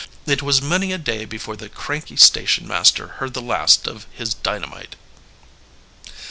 It was many a day before the cranky station master heard the last of his dynamite.